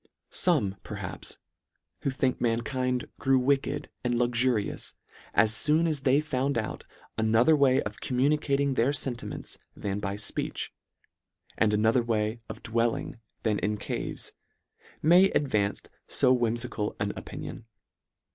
Some, perhaps, who think mankind grew wicked and luxurious as foon as they found out another way of com LETTER VII. 75 municating their fentiments than by fpeech, and another way of dwelling than in caves, may advance fo whimfical an opinion.